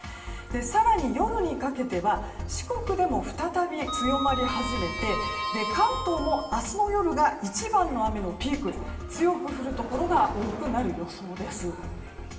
更に、夜にかけては四国でも再び強まり始めて関東も明日の夜が一番の雨のピーク強く降るところが多くなる予想です。